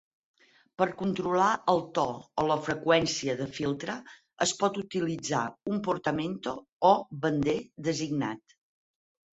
Per controlar el to o la freqüència de filtre es pot utilitzar un portamento (o bender) designat.